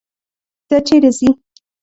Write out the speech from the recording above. دا چیرې ځي.